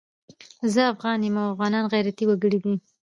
زه افغان یم او افغانان غيرتي وګړي دي